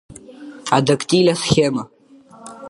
Адактиль асхема…